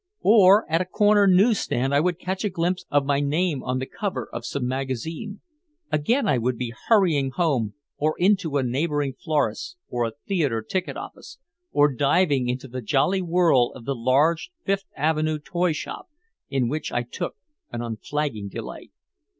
Or at a corner newsstand I would catch a glimpse of my name on the cover of some magazine. Again I would be hurrying home, or into a neighboring florist's or a theater ticket office, or diving into the jolly whirl of the large Fifth Avenue toy shop in which I took an unflagging delight.